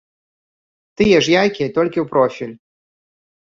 Тыя ж яйкі, толькі ў профіль.